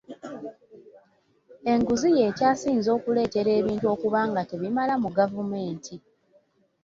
Enguzi y'ekyasinze okuleetera ebintu okuba nga tebimala mu gavumenti.